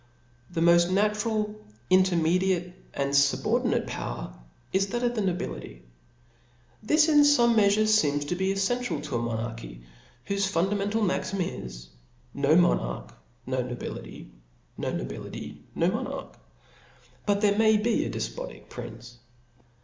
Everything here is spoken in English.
The moft natural, intermediate and fubordinate power, is that of the nobility. This in fome mea fure feems to be effential to a monarchy, whofe fundamental maxim is, no monarch, no nobility \ no nobility, no monarch 5 but there may be a defpotic prince.